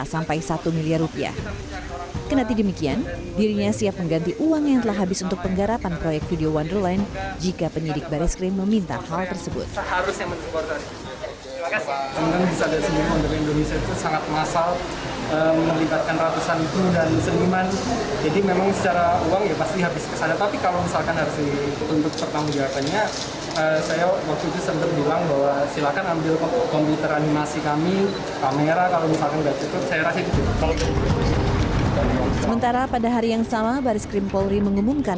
sementara pada hari yang sama baris krim polri mengumumkan